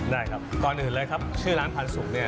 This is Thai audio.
ได้ครับก่อนอื่นเลยครับชื่อร้านพันธุเนี่ย